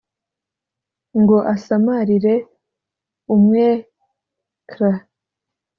ngo asamarire umweкra